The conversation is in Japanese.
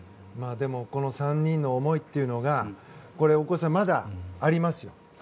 でも、この３人の思いというのが大越さん、まだありますよ。